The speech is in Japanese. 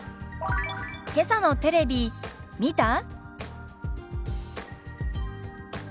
「けさのテレビ見た？」。